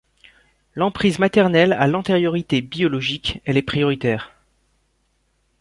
L’emprise maternelle a l’antériorité biologique, elle est prioritaire.